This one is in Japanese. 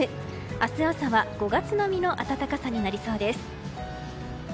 明日朝は５月並みの暖かさになりそうです。